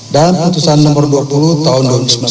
dan putusan nomor dua puluh tahun dua ribu sembilan belas